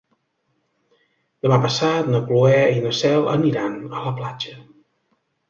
Demà passat na Cloè i na Cel aniran a la platja.